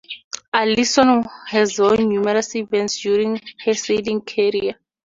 Alison has won numerous events during her sailing career.